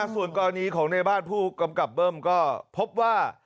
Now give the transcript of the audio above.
ส่วนกรณีของในบ้านผู้กำกับเบิ้มก็พบว่า